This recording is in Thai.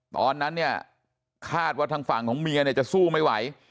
ตอนนั้นเนี่ยคาดว่าทางฝั่งของเมียเนี่ยจะสู้ไม่ไหว